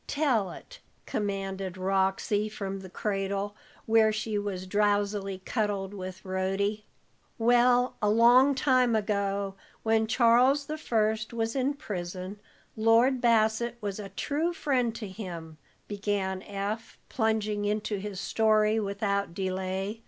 Tell it," commanded Roxy, from the cradle, where she was drowsily cuddled with Rhody. "Well, a long time ago, when Charles the First was in prison, Lord Bassett was a true friend to him," began Eph, plunging into his story without delay.